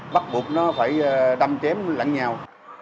bắt buộc nó phải đâm chém lặng nhào